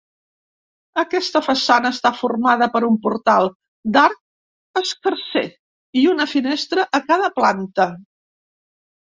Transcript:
Aquesta façana està formada per un portal d'arc escarser i una finestra a cada planta.